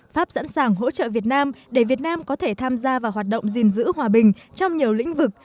pháp sẵn sàng hỗ trợ việt nam để việt nam có thể tham gia vào hoạt động gìn giữ hòa bình trong nhiều lĩnh vực